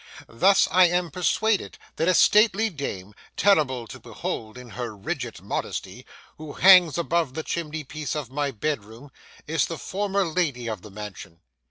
Thus, I am persuaded that a stately dame, terrible to behold in her rigid modesty, who hangs above the chimney piece of my bedroom, is the former lady of the mansion.